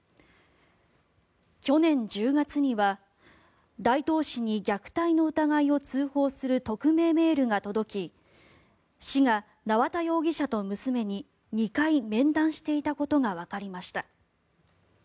去年１０月には大東市に虐待の疑いを通報する匿名メールが届き市が縄田容疑者と娘に２回面談していたことがわかりました。